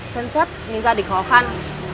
chân chất nhưng gia đình khó khăn